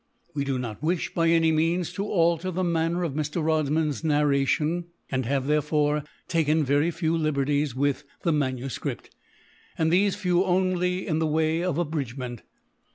We did not wish, by any means, to alter the manner of Mr. Rodman's narration, and have, therefore, taken very few liberties with the MS., and these few only in the way of abridgment.